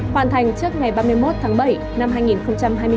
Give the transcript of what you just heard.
hoàn thành trước ngày ba mươi một tháng bảy năm hai nghìn hai mươi